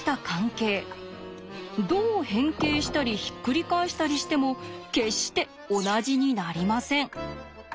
どう変形したりひっくり返したりしても決して同じになりません。